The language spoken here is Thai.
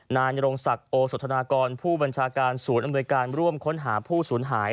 นายนรงศักดิ์โอสธนากรผู้บัญชาการศูนย์อำนวยการร่วมค้นหาผู้สูญหาย